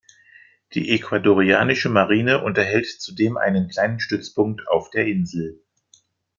Die ecuadorianische Marine unterhält zudem einen kleinen Stützpunkt auf der Insel.